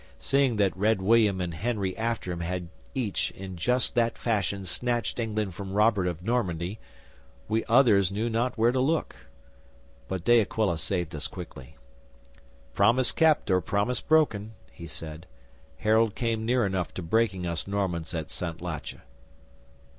'Seeing that Red William and Henry after him had each in just that fashion snatched England from Robert of Normandy, we others knew not where to look. But De Aquila saved us quickly. '"Promise kept or promise broken," he said, "Harold came near enough to breaking us Normans at Santlache."